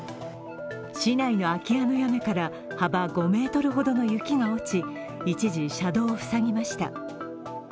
市内の空き家の屋根から幅５ｍほどの雪が落ち、一時、車道を塞ぎました。